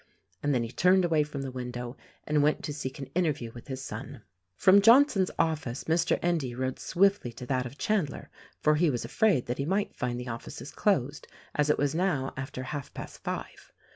And then he turned away from the window and went to seek an interview with his son. From Johnson's office Mr. Endy rode swiftly to that of Chandler, for he was afraid that he might find the offices closed, as it was now after half past five.